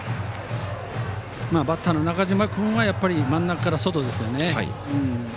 バッターの中嶋君は真ん中から外ですよね。